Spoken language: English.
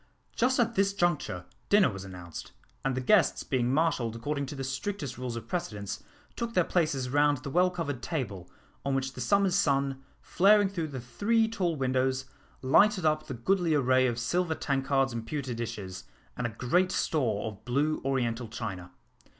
Just at this juncture dinner was announced, and the guests being marshalled according to the strictest rules of precedence, took their places round the well covered table, on which the summer's sun, flaring through the three tall windows, lighted up the goodly array of silver tankards and pewter dishes, and a great store of blue oriental china.